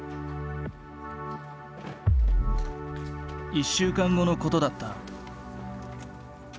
１週間後のことだった。